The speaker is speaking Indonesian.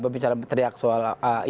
bicara teriak soal